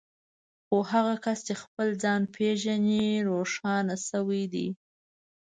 خو هغه کس چې خپل ځان پېژني روښانه شوی دی.